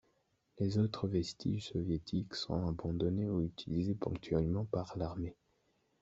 Les autres vestiges soviétiques sont abandonnés, ou utilisés ponctuellement par l'armée.